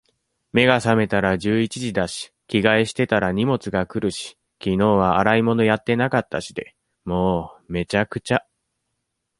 目が覚めたら十一時だし、着替えしてたら荷物が来るし、昨日は洗い物やってなかったしで……もう、滅茶苦茶。